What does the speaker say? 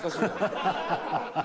アハハハ。